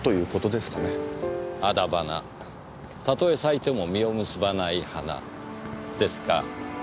徒花「たとえ咲いても実を結ばない花」ですか。